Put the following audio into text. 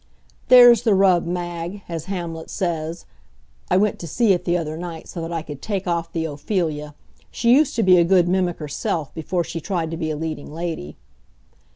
There's the rub, Mag, as Hamlet says (I went to see it the other night, so that I could take off the Ophelia she used to be a good mimic herself, before she tried to be a leading lady.)